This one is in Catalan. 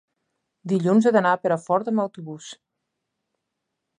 dilluns he d'anar a Perafort amb autobús.